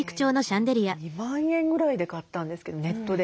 ２万円ぐらいで買ったんですけどネットで。